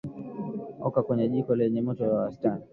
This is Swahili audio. Oka kwenye jiko lenye moto wa wastani